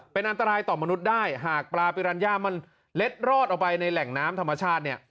เป็นอันตรายต่อมนุษย์ได้หากปลาปิรัญญามันเล็ดรอดออกไปในแหล่งน้ำธรรมชาติเนี่ย